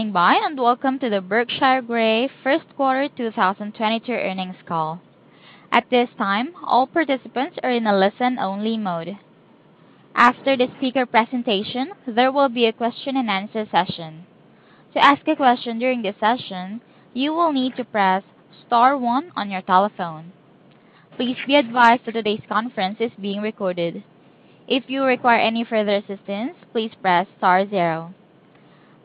Thank you and welcome to the Berkshire Grey first quarter 2022 earnings call. At this time, all participants are in a listen-only mode. After the speaker presentation, there will be a question-and-answer session. To ask a question during this session, you will need to press star one on your telephone. Please be advised that today's conference is being recorded. If you require any further assistance, please press star zero.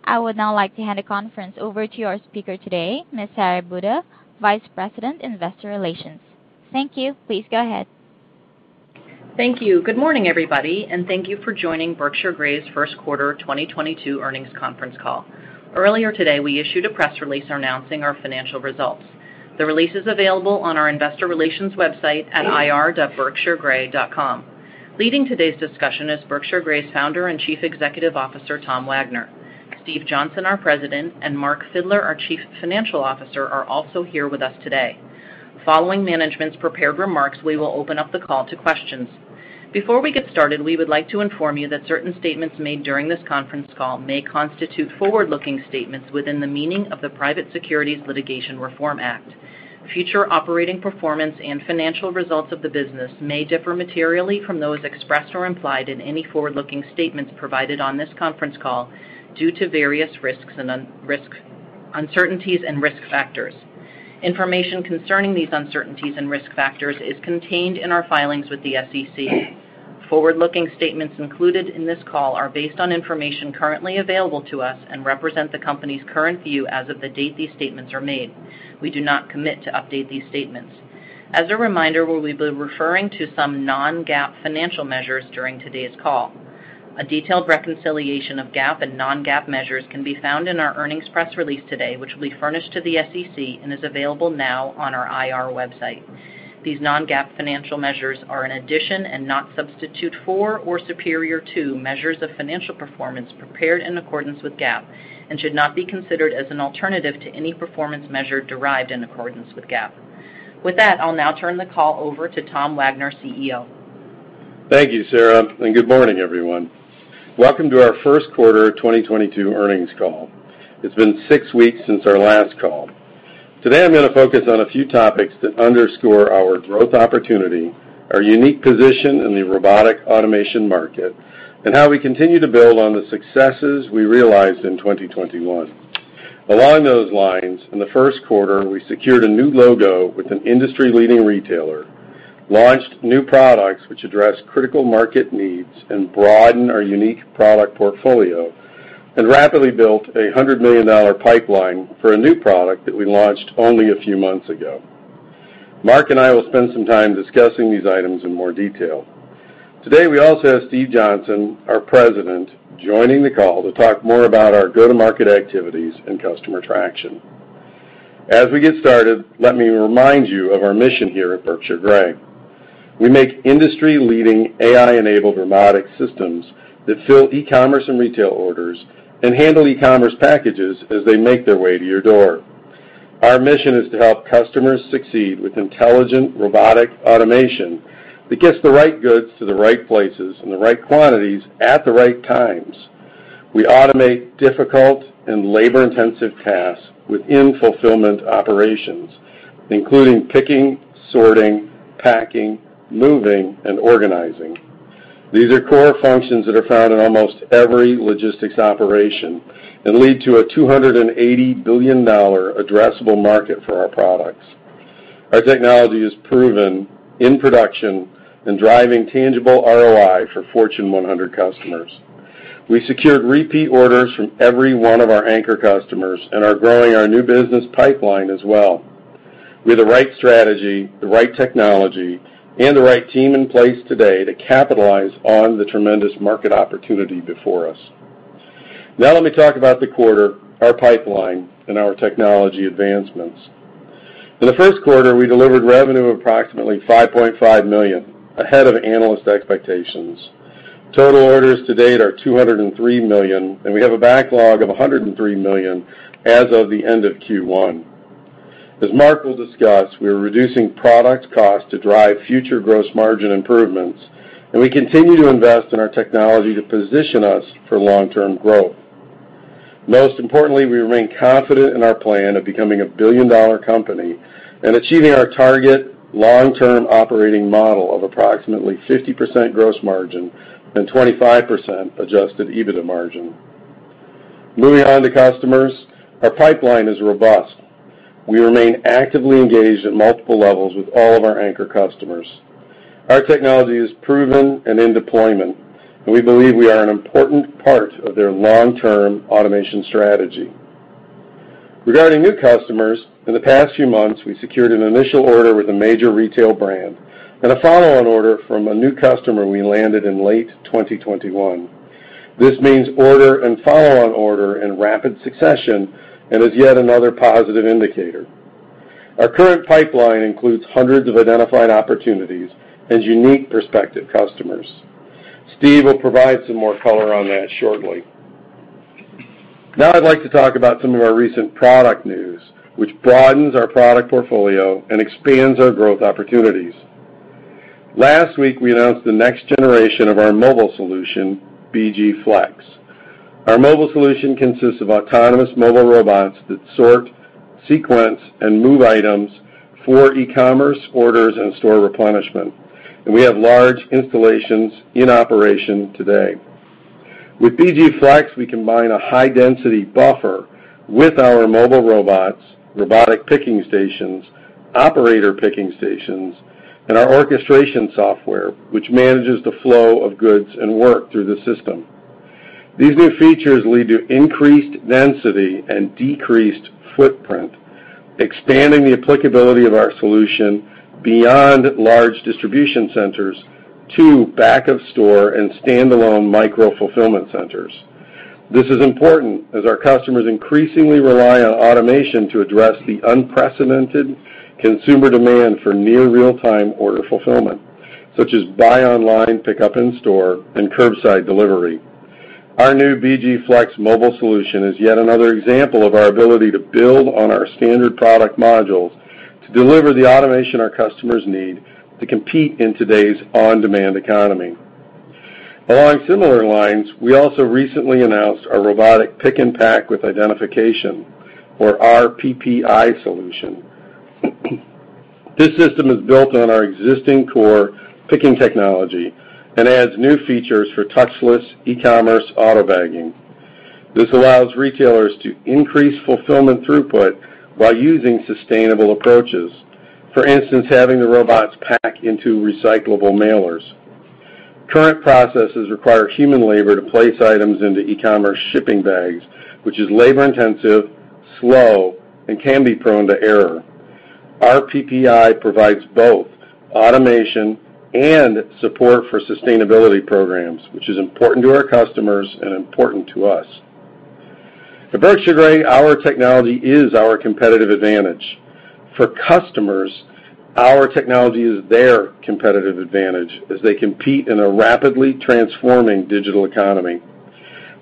I would now like to hand the conference over to our speaker today, Miss Sara Buda, Vice President, Investor Relations. Thank you. Please go ahead. Thank you. Good morning, everybody, and thank you for joining Berkshire Grey's first quarter 2022 earnings conference call. Earlier today, we issued a press release announcing our financial results. The release is available on our investor relations website at ir.berkshiregrey.com. Leading today's discussion is Berkshire Grey's founder and Chief Executive Officer, Tom Wagner. Steve Johnson, our President, and Mark Fidler, our Chief Financial Officer, are also here with us today. Following management's prepared remarks, we will open up the call to questions. Before we get started, we would like to inform you that certain statements made during this conference call may constitute forward-looking statements within the meaning of the Private Securities Litigation Reform Act. Future operating performance and financial results of the business may differ materially from those expressed or implied in any forward-looking statements provided on this conference call due to various risks and uncertainties and risk factors. Information concerning these uncertainties and risk factors is contained in our filings with the SEC. Forward-looking statements included in this call are based on information currently available to us and represent the company's current view as of the date these statements are made. We do not commit to update these statements. As a reminder, we will be referring to some non-GAAP financial measures during today's call. A detailed reconciliation of GAAP and non-GAAP measures can be found in our earnings press release today, which will be furnished to the SEC and is available now on our IR website. These non-GAAP financial measures are an addition and not substitute for or superior to measures of financial performance prepared in accordance with GAAP and should not be considered as an alternative to any performance measure derived in accordance with GAAP. With that, I'll now turn the call over to Tom Wagner, CEO. Thank you, Sara, and good morning, everyone. Welcome to our first quarter 2022 earnings call. It's been six weeks since our last call. Today, I'm gonna focus on a few topics that underscore our growth opportunity, our unique position in the robotic automation market, and how we continue to build on the successes we realized in 2021. Along those lines, in the first quarter, we secured a new logo with an industry-leading retailer, launched new products which address critical market needs and broaden our unique product portfolio, and rapidly built a $100 million pipeline for a new product that we launched only a few months ago. Mark and I will spend some time discussing these items in more detail. Today, we also have Steve Johnson, our President, joining the call to talk more about our go-to-market activities and customer traction. As we get started, let me remind you of our mission here at Berkshire Grey. We make industry-leading AI-enabled robotic systems that fill e-commerce and retail orders and handle e-commerce packages as they make their way to your door. Our mission is to help customers succeed with intelligent robotic automation that gets the right goods to the right places in the right quantities at the right times. We automate difficult and labor-intensive tasks within fulfillment operations, including picking, sorting, packing, moving, and organizing. These are core functions that are found in almost every logistics operation and lead to a $280 billion addressable market for our products. Our technology is proven in production and driving tangible ROI for Fortune 100 customers. We secured repeat orders from every one of our anchor customers and are growing our new business pipeline as well. We have the right strategy, the right technology, and the right team in place today to capitalize on the tremendous market opportunity before us. Now let me talk about the quarter, our pipeline, and our technology advancements. In the first quarter, we delivered revenue of approximately $5.5 million, ahead of analyst expectations. Total orders to date are $203 million, and we have a backlog of $103 million as of the end of Q1. As Mark will discuss, we are reducing product cost to drive future gross margin improvements, and we continue to invest in our technology to position us for long-term growth. Most importantly, we remain confident in our plan of becoming a billion-dollar company and achieving our target long-term operating model of approximately 50% gross margin and 25% Adjusted EBITDA margin. Moving on to customers. Our pipeline is robust. We remain actively engaged at multiple levels with all of our anchor customers. Our technology is proven and in deployment, and we believe we are an important part of their long-term automation strategy. Regarding new customers, in the past few months, we secured an initial order with a major retail brand and a follow-on order from a new customer we landed in late 2021. This means order and follow-on order in rapid succession and is yet another positive indicator. Our current pipeline includes hundreds of identified opportunities and unique prospective customers. Steve will provide some more color on that shortly. Now I'd like to talk about some of our recent product news, which broadens our product portfolio and expands our growth opportunities. Last week, we announced the next generation of our mobile solution, BG FLEX. Our mobile solution consists of autonomous mobile robots that sort, sequence, and move items for e-commerce orders and store replenishment, and we have large installations in operation today. With BG FLEX, we combine a high-density buffer with our mobile robots, robotic picking stations, operator picking stations, and our orchestration software, which manages the flow of goods and work through the system. These new features lead to increased density and decreased footprint, expanding the applicability of our solution beyond large distribution centers to back-of-store and standalone micro-fulfillment centers. This is important as our customers increasingly rely on automation to address the unprecedented consumer demand for near real-time order fulfillment, such as buy online, pickup in store, and curbside delivery. Our new BG FLEX mobile solution is yet another example of our ability to build on our standard product modules to deliver the automation our customers need to compete in today's on-demand economy. Along similar lines, we also recently announced our Robotic Pick and Pack with Identification, or RPPI solution. This system is built on our existing core picking technology and adds new features for touchless e-commerce auto-bagging. This allows retailers to increase fulfillment throughput while using sustainable approaches. For instance, having the robots pack into recyclable mailers. Current processes require human labor to place items into e-commerce shipping bags, which is labor-intensive, slow, and can be prone to error. RPPI provides both automation and support for sustainability programs, which is important to our customers and important to us. At Berkshire Grey, our technology is our competitive advantage. For customers, our technology is their competitive advantage as they compete in a rapidly transforming digital economy.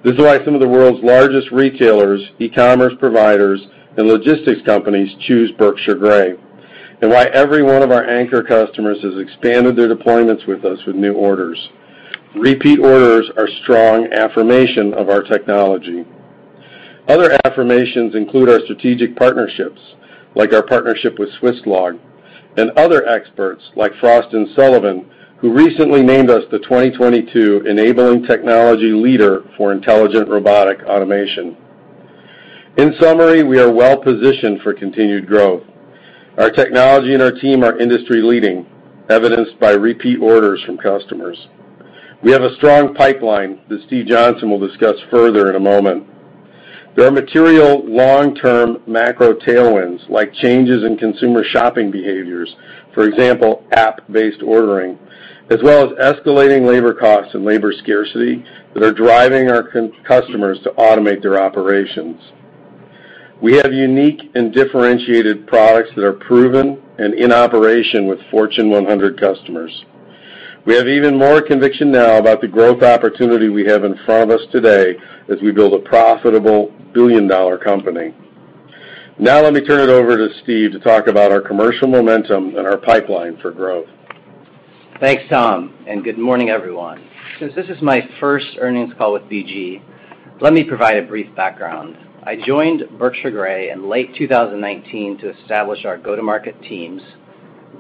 This is why some of the world's largest retailers, e-commerce providers, and logistics companies choose Berkshire Grey, and why every one of our anchor customers has expanded their deployments with us with new orders. Repeat orders are strong affirmation of our technology. Other affirmations include our strategic partnerships, like our partnership with Swisslog, and other experts like Frost & Sullivan, who recently named us the 2022 Enabling Technology Leader for Intelligent Robotic Automation. In summary, we are well positioned for continued growth. Our technology and our team are industry-leading, evidenced by repeat orders from customers. We have a strong pipeline that Steve Johnson will discuss further in a moment. There are material long-term macro tailwinds, like changes in consumer shopping behaviors, for example, app-based ordering, as well as escalating labor costs and labor scarcity that are driving our customers to automate their operations. We have unique and differentiated products that are proven and in operation with Fortune 100 customers. We have even more conviction now about the growth opportunity we have in front of us today as we build a profitable billion-dollar company. Now let me turn it over to Steve to talk about our commercial momentum and our pipeline for growth. Thanks, Tom, and good morning, everyone. Since this is my first earnings call with BG, let me provide a brief background. I joined Berkshire Grey in late 2019 to establish our go-to-market teams,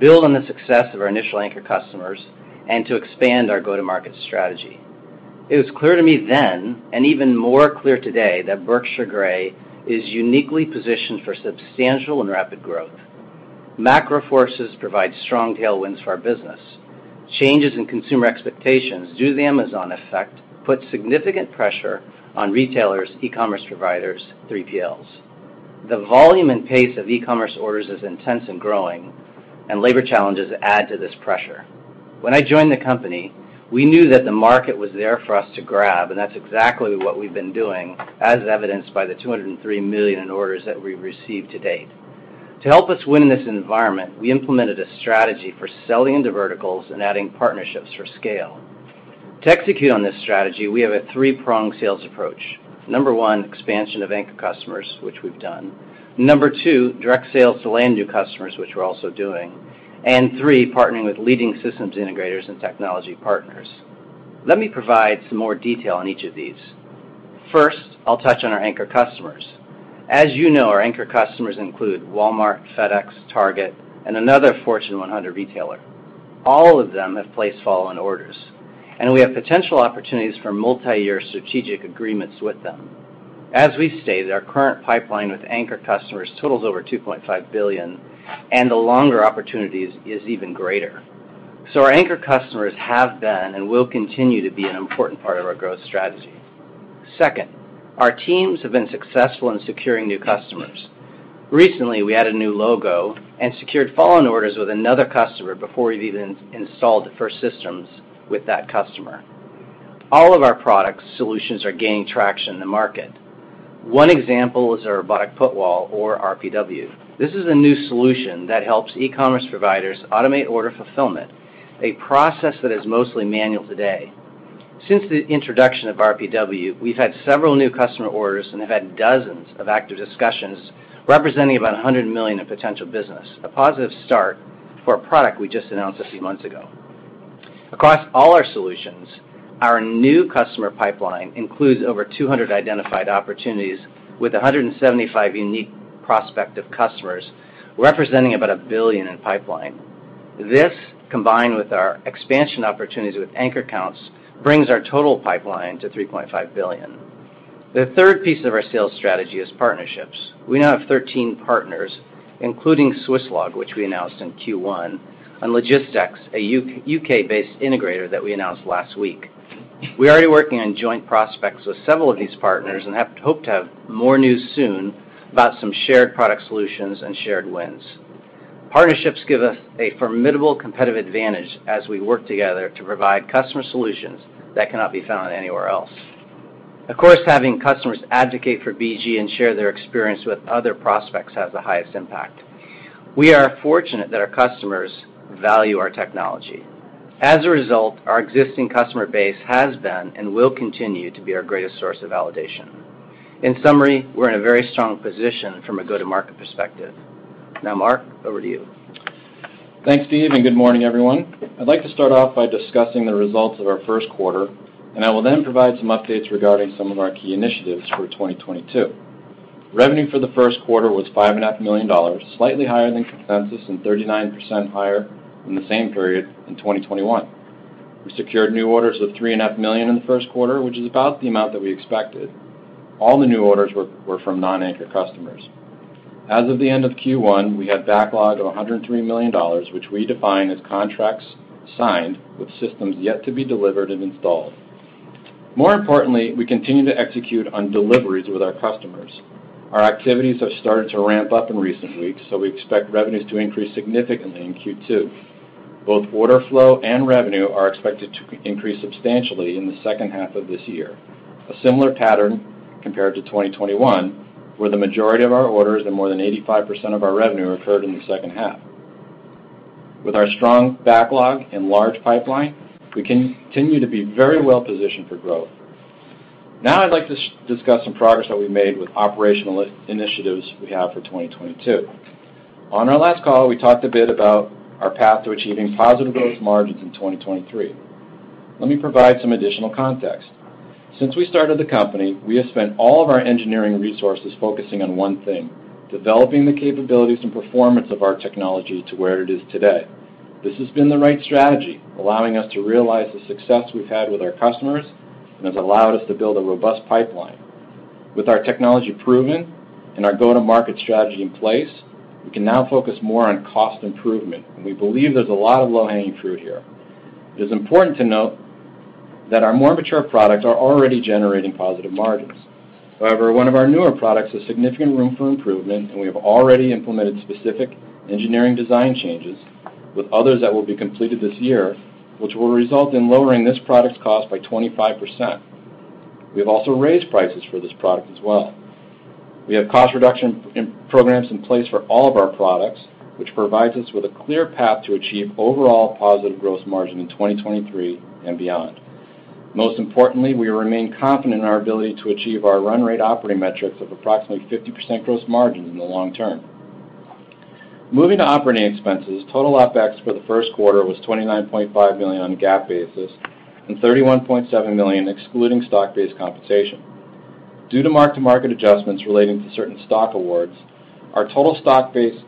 build on the success of our initial anchor customers, and to expand our go-to-market strategy. It was clear to me then, and even more clear today, that Berkshire Grey is uniquely positioned for substantial and rapid growth. Macro forces provide strong tailwinds for our business. Changes in consumer expectations due to the Amazon effect put significant pressure on retailers, e-commerce providers, 3PLs. The volume and pace of e-commerce orders is intense and growing, and labor challenges add to this pressure. When I joined the company, we knew that the market was there for us to grab, and that's exactly what we've been doing, as evidenced by the $203 million in orders that we've received to date. To help us win in this environment, we implemented a strategy for selling into verticals and adding partnerships for scale. To execute on this strategy, we have a three-pronged sales approach. Number one, expansion of anchor customers, which we've done. Number two, direct sales to land new customers, which we're also doing. Three, partnering with leading systems integrators and technology partners. Let me provide some more detail on each of these. First, I'll touch on our anchor customers. As you know, our anchor customers include Walmart, FedEx, Target, and another Fortune 100 retailer. All of them have placed follow-on orders, and we have potential opportunities for multi-year strategic agreements with them. As we've stated, our current pipeline with anchor customers totals over $2.5 billion, and the longer opportunities is even greater. Our anchor customers have been and will continue to be an important part of our growth strategy. Second, our teams have been successful in securing new customers. Recently, we added a new logo and secured follow-on orders with another customer before we had even installed the first systems with that customer. All of our product solutions are gaining traction in the market. One example is our Robotic Put Wall, or RPW. This is a new solution that helps e-commerce providers automate order fulfillment, a process that is mostly manual today. Since the introduction of RPW, we've had several new customer orders, and have had dozens of active discussions representing about $100 million in potential business. A positive start for a product we just announced a few months ago. Across all our solutions, our new customer pipeline includes over 200 identified opportunities with 175 unique prospective customers representing about $1 billion in pipeline. This, combined with our expansion opportunities with anchor accounts, brings our total pipeline to $3.5 billion. The third piece of our sales strategy is partnerships. We now have 13 partners, including Swisslog, which we announced in Q1, and Logistex, a U.K.-based integrator that we announced last week. We are already working on joint prospects with several of these partners, and hope to have more news soon about some shared product solutions and shared wins. Partnerships give us a formidable competitive advantage as we work together to provide customer solutions that cannot be found anywhere else. Of course, having customers advocate for BG and share their experience with other prospects has the highest impact. We are fortunate that our customers value our technology. As a result, our existing customer base has been and will continue to be our greatest source of validation. In summary, we're in a very strong position from a go-to-market perspective. Now, Mark, over to you. Thanks, Steve, and good morning, everyone. I'd like to start off by discussing the results of our first quarter, and I will then provide some updates regarding some of our key initiatives for 2022. Revenue for the first quarter was $5 and a half million, slightly higher than consensus and 39% higher than the same period in 2021. We secured new orders of $3 and a half million in the first quarter, which is about the amount that we expected. All the new orders were from non-anchor customers. As of the end of Q1, we had backlog of $103 million, which we define as contracts signed with systems yet to be delivered and installed. More importantly, we continue to execute on deliveries with our customers. Our activities have started to ramp up in recent weeks, so we expect revenues to increase significantly in Q2. Both order flow and revenue are expected to increase substantially in the second half of this year. A similar pattern compared to 2021, where the majority of our orders and more than 85% of our revenue occurred in the second half. With our strong backlog and large pipeline, we continue to be very well positioned for growth. Now I'd like to discuss some progress that we've made with operational initiatives we have for 2022. On our last call, we talked a bit about our path to achieving positive growth margins in 2023. Let me provide some additional context. Since we started the company, we have spent all of our engineering resources focusing on one thing, developing the capabilities and performance of our technology to where it is today. This has been the right strategy, allowing us to realize the success we've had with our customers and has allowed us to build a robust pipeline. With our technology proven and our go-to-market strategy in place, we can now focus more on cost improvement, and we believe there's a lot of low-hanging fruit here. It is important to note that our more mature products are already generating positive margins. However, one of our newer products has significant room for improvement, and we have already implemented specific engineering design changes with others that will be completed this year, which will result in lowering this product's cost by 25%. We have also raised prices for this product as well. We have cost reduction in programs in place for all of our products, which provides us with a clear path to achieve overall positive growth margin in 2023 and beyond. Most importantly, we remain confident in our ability to achieve our run rate operating metrics of approximately 50% gross margin in the long term. Moving to operating expenses, total OpEx for the first quarter was $29.5 million on a GAAP basis and $31.7 million excluding stock-based compensation. Due to mark-to-market adjustments relating to certain stock awards, our total stock-based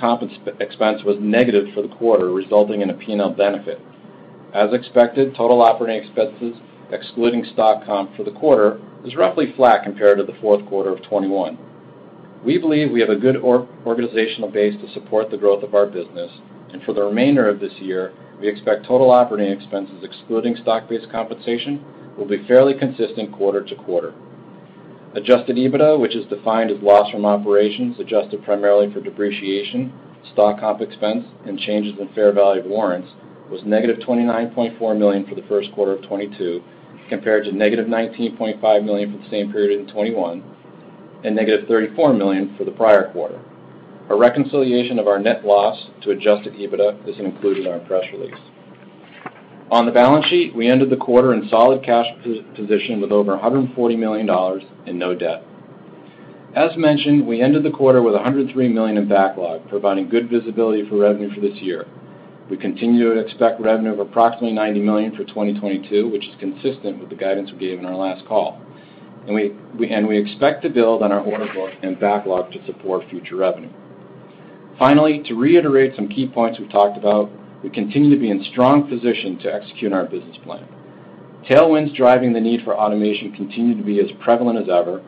compensation expense was negative for the quarter, resulting in a P&L benefit. As expected, total operating expenses excluding stock comp for the quarter is roughly flat compared to the fourth quarter of 2021. We believe we have a good organizational base to support the growth of our business. For the remainder of this year, we expect total operating expenses excluding stock-based compensation will be fairly consistent quarter to quarter. Adjusted EBITDA, which is defined as loss from operations, adjusted primarily for depreciation, stock comp expense, and changes in fair value of warrants, was negative $29.4 million for the first quarter of 2022, compared to negative $19.5 million for the same period in 2021, and negative $34 million for the prior quarter. A reconciliation of our net loss to Adjusted EBITDA is included in our press release. On the balance sheet, we ended the quarter in solid cash position with over $140 million and no debt. As mentioned, we ended the quarter with $103 million in backlog, providing good visibility for revenue for this year. We continue to expect revenue of approximately $90 million for 2022, which is consistent with the guidance we gave in our last call. We expect to build on our order book and backlog to support future revenue. Finally, to reiterate some key points we've talked about, we continue to be in strong position to execute our business plan. Tailwinds driving the need for automation continue to be as prevalent as ever.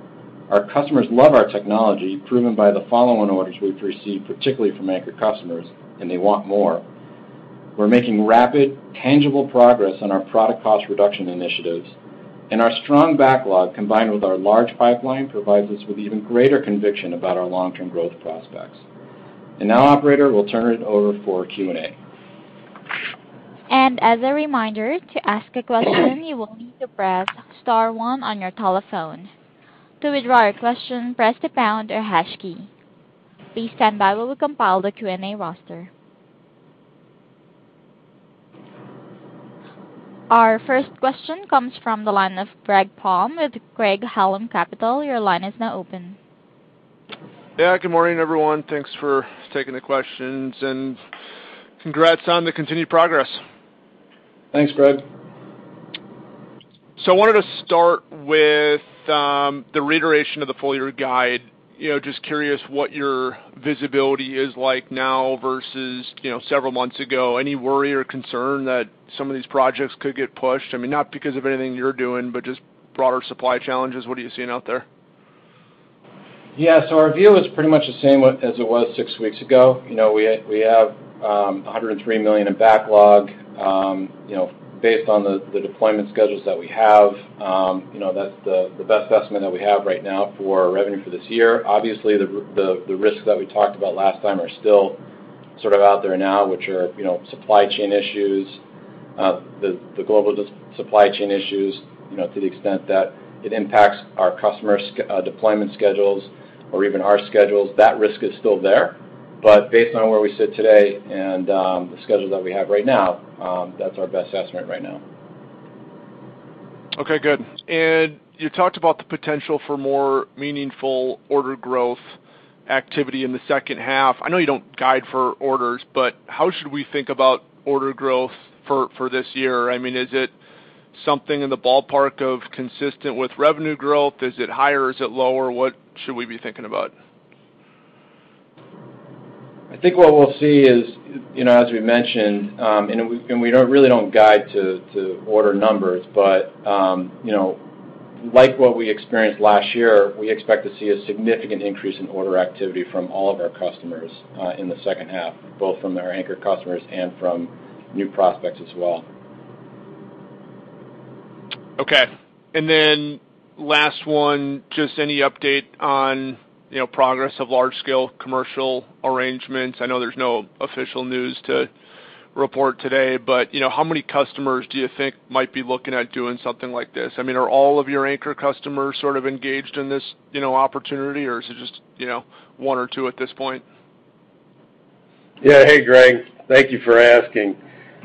Our customers love our technology, proven by the follow-on orders we've received, particularly from anchor customers, and they want more. We're making rapid, tangible progress on our product cost reduction initiatives, and our strong backlog, combined with our large pipeline, provides us with even greater conviction about our long-term growth prospects. Now, operator, we'll turn it over for Q&A. As a reminder, to ask a question, you will need to press star one on your telephone. To withdraw your question, press the pound or hash key. Please stand by while we compile the Q&A roster. Our first question comes from the line of Greg Palm with Craig-Hallum Capital Group. Your line is now open. Yeah, good morning, everyone. Thanks for taking the questions and congrats on the continued progress. Thanks, Greg. I wanted to start with the reiteration of the full-year guide. You know, just curious what your visibility is like now versus, you know, several months ago. Any worry or concern that some of these projects could get pushed? I mean, not because of anything you're doing, but just broader supply challenges. What are you seeing out there? Yeah. Our view is pretty much the same as it was six weeks ago. You know, we have $103 million in backlog. You know, based on the deployment schedules that we have, you know, that's the best estimate that we have right now for revenue for this year. Obviously, the risks that we talked about last time are still sort of out there now, which are, you know, supply chain issues, the global supply chain issues, you know, to the extent that it impacts our customer deployment schedules or even our schedules. That risk is still there. Based on where we sit today and the schedule that we have right now, that's our best estimate right now. Okay, good. You talked about the potential for more meaningful order growth activity in the second half. I know you don't guide for orders, but how should we think about order growth for this year? I mean, is it something in the ballpark of consistent with revenue growth? Is it higher? Is it lower? What should we be thinking about? I think what we'll see is, you know, as we mentioned, we don't really guide to order numbers. You know, like what we experienced last year, we expect to see a significant increase in order activity from all of our customers, in the second half, both from our anchor customers and from new prospects as well. Okay. Last one, just any update on, you know, progress of large scale commercial arrangements. I know there's no official news to report today, but, you know, how many customers do you think might be looking at doing something like this? I mean, are all of your anchor customers sort of engaged in this, you know, opportunity, or is it just, you know, one or two at this point? Yeah. Hey, Greg. Thank you for asking.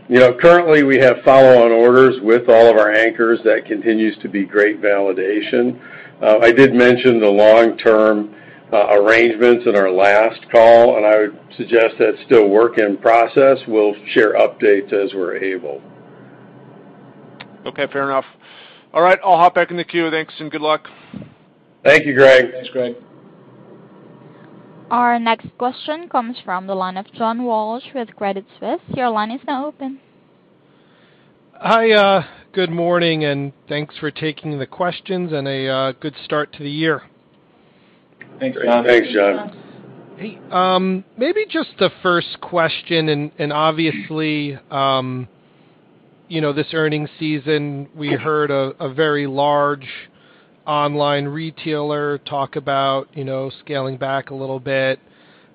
You know, currently we have follow-on orders with all of our anchors. That continues to be great validation. I did mention the long-term arrangements in our last call, and I would suggest that's still a work in process. We'll share updates as we're able. Okay, fair enough. All right. I'll hop back in the queue. Thanks and good luck. Thank you, Greg. Thanks, Greg. Our next question comes from the line of John Walsh with Credit Suisse. Your line is now open. Hi, good morning, and thanks for taking the questions and a good start to the year. Thanks, John. Thanks, John. Hey, maybe just the first question and obviously, you know, this earnings season, we heard a very large online retailer talk about, you know, scaling back a little bit.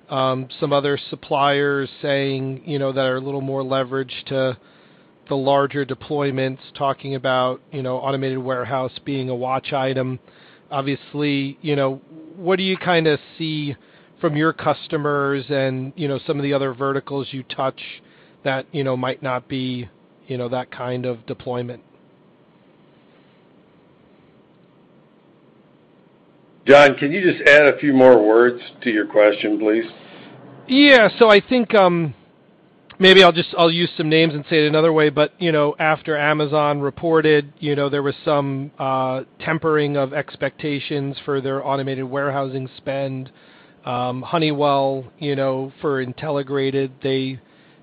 Some other suppliers saying, you know, that are a little more leveraged to larger deployments, talking about, you know, automated warehouse being a watch item. Obviously, you know, what do you kinda see from your customers and, you know, some of the other verticals you touch that, you know, might not be, you know, that kind of deployment? John, can you just add a few more words to your question, please? Yeah. I think I'll use some names and say it another way. You know, after Amazon reported, you know, there was some tempering of expectations for their automated warehousing spend. Honeywell, you know, for Intelligrated, they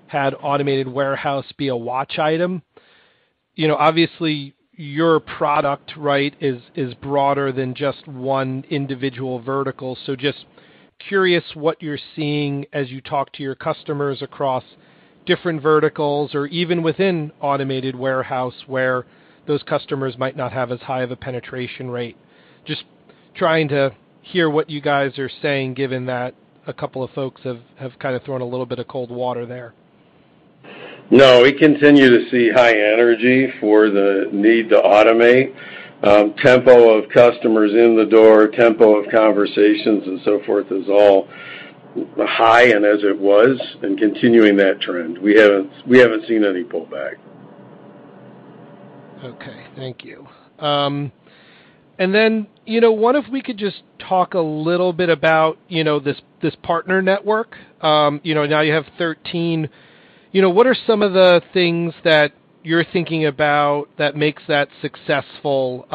had automated warehouse be a watch item. You know, obviously, your product, right, is broader than just one individual vertical. Just curious what you're seeing as you talk to your customers across different verticals or even within automated warehouse where those customers might not have as high of a penetration rate. Just trying to hear what you guys are saying, given that a couple of folks have kind of thrown a little bit of cold water there. No, we continue to see high energy for the need to automate. Tempo of customers in the door, tempo of conversations and so forth is all high and as it was and continuing that trend. We haven't seen any pullback. Okay. Thank you. you know, what if we could just talk a little bit about, you know, this partner network. you know, now you have 13. You know, what are some of the things that you're thinking about that makes that successful,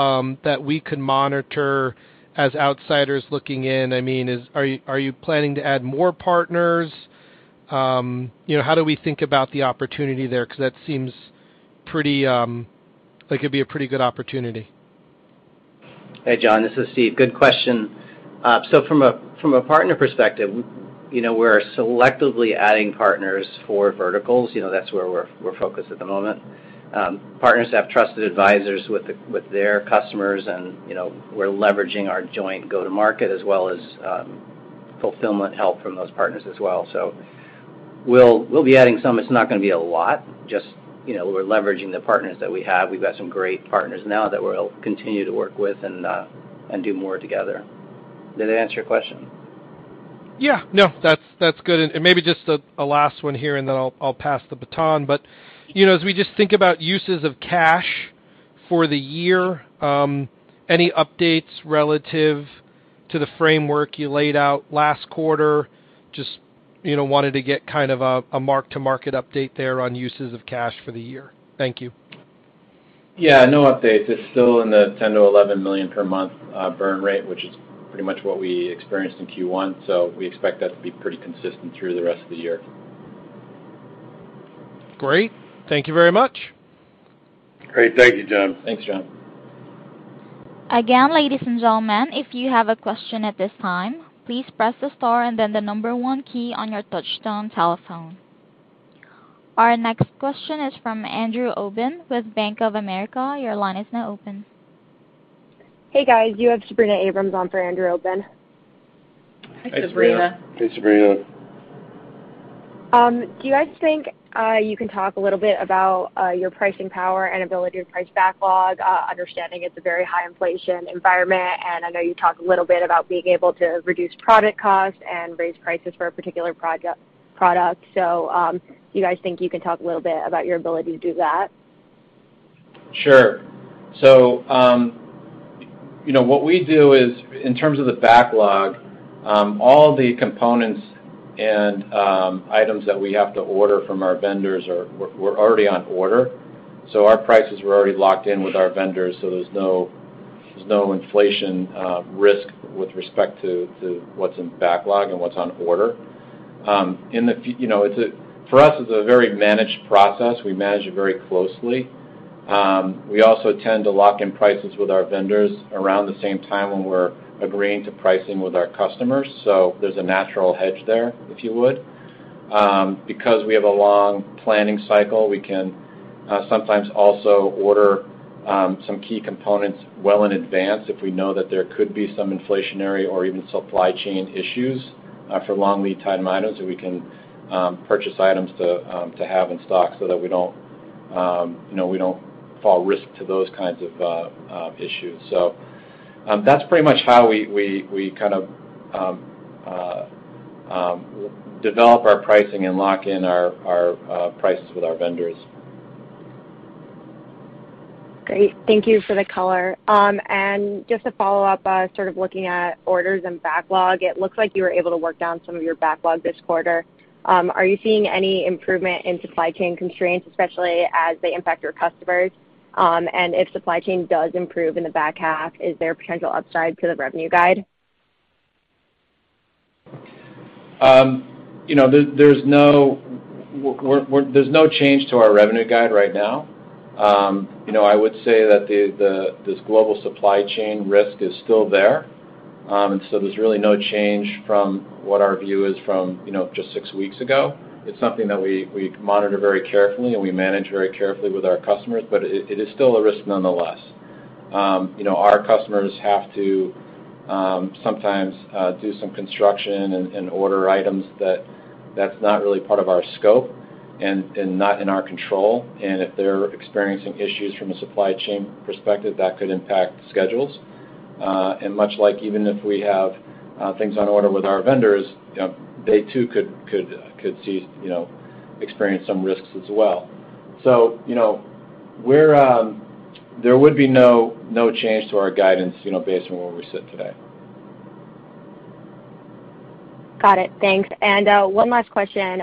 that we can monitor as outsiders looking in? I mean, are you planning to add more partners? you know, how do we think about the opportunity there? 'Cause that seems pretty, like it'd be a pretty good opportunity. Hey, John, this is Steve. Good question. From a partner perspective, you know, we're selectively adding partners for verticals. You know, that's where we're focused at the moment. Partners have trusted advisors with their customers and, you know, we're leveraging our joint go-to-market as well as fulfillment help from those partners as well. We'll be adding some, it's not gonna be a lot, just, you know, we're leveraging the partners that we have. We've got some great partners now that we'll continue to work with and do more together. Did that answer your question? Yeah. No, that's good. Maybe just a last one here, and then I'll pass the baton. You know, as we just think about uses of cash for the year, any updates relative to the framework you laid out last quarter? Just, you know, wanted to get kind of a mark-to-market update there on uses of cash for the year. Thank you. Yeah, no update. It's still in the $10-11 million per month burn rate, which is pretty much what we experienced in Q1, so we expect that to be pretty consistent through the rest of the year. Great. Thank you very much. Great. Thank you, John. Thanks, John. Again, ladies and gentlemen, if you have a question at this time, please press the star and then the number one key on your touchtone telephone. Our next question is from Andrew Obin with Bank of America. Your line is now open. Hey, guys. You have Sabrina Abrams on for Andrew Obin. Hey, Sabrina. Hey, Sabrina. Do you guys think you can talk a little bit about your pricing power and ability to price backlog, understanding it's a very high inflation environment, and I know you talked a little bit about being able to reduce product costs and raise prices for a particular product. Do you guys think you can talk a little bit about your ability to do that? Sure. You know, what we do is, in terms of the backlog, all the components and items that we have to order from our vendors were already on order. Our prices were already locked in with our vendors, so there's no inflation risk with respect to what's in backlog and what's on order. You know, for us, it's a very managed process. We manage it very closely. We also tend to lock in prices with our vendors around the same time when we're agreeing to pricing with our customers. There's a natural hedge there, if you would. Because we have a long planning cycle, we can sometimes also order some key components well in advance if we know that there could be some inflationary or even supply chain issues for long lead time items, so we can purchase items to have in stock so that we don't, you know, we don't fall victim to those kinds of issues. That's pretty much how we kind of develop our pricing and lock in our prices with our vendors. Great. Thank you for the color. Just to follow up, sort of looking at orders and backlog, it looks like you were able to work down some of your backlog this quarter. Are you seeing any improvement in supply chain constraints, especially as they impact your customers? If supply chain does improve in the back half, is there potential upside to the revenue guide? You know, there's no change to our revenue guide right now. You know, I would say that this global supply chain risk is still there. There's really no change from what our view is from, you know, just six weeks ago. It's something that we monitor very carefully, and we manage very carefully with our customers, but it is still a risk nonetheless. You know, our customers have to sometimes do some construction and order items that that's not really part of our scope and not in our control. If they're experiencing issues from a supply chain perspective, that could impact schedules. Much like even if we have things on order with our vendors, you know, they too could see, you know, experience some risks as well. You know, there would be no change to our guidance, you know, based on where we sit today. Got it. Thanks. One last question.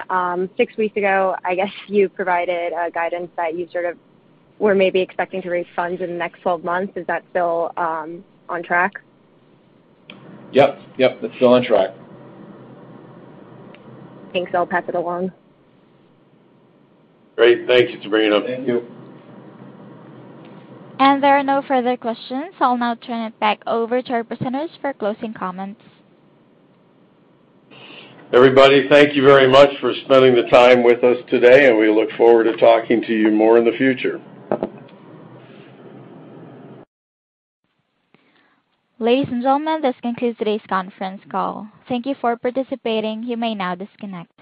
Six weeks ago, I guess you provided a guidance that you sort of were maybe expecting to raise funds in the next twelve months. Is that still on track? Yep. Yep. It's still on track. Thanks. I'll pass it along. Great. Thank you, Sabrina. Thank you. There are no further questions. I'll now turn it back over to our presenters for closing comments. Everybody, thank you very much for spending the time with us today, and we look forward to talking to you more in the future. Ladies and gentlemen, this concludes today's conference call. Thank you for participating. You may now disconnect.